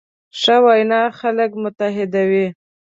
ښه وینا خلک متحدوي.